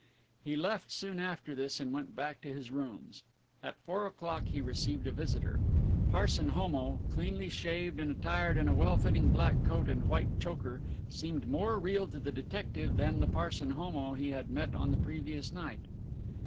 He left soon after this and went back to his rooms. At four o'clock he received a visitor. Parson Homo, cleanly shaved and attired in a well fitting black coat and white choker, seemed more real to the detective than the Parson Homo he had met on the previous night.